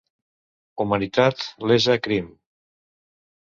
Humanitat, lesa, crim...